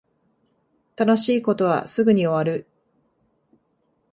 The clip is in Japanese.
楽しい事はすぐに終わる